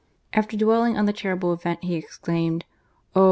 After dwelling on the terrible event he exclaimed :" O